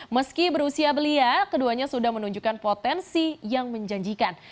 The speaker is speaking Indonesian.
meski berusia belia keduanya sudah menunjukkan potensi yang menjanjikan